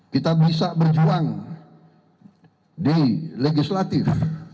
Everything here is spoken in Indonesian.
kita bisa berjuang di legislatif